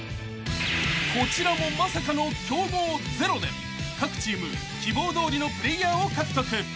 ［こちらもまさかの競合ゼロで各チーム希望どおりのプレーヤーを獲得］